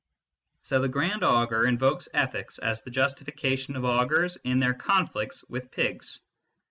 So the Grand Augur invokes ethics as the justification of Augurs in their conflicts with pigs.